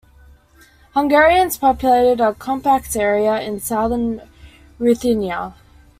Hungarians populated a compact area in southern Ruthenia.